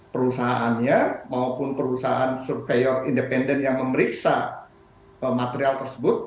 perusahaannya maupun perusahaan surveyor independen yang memeriksa material tersebut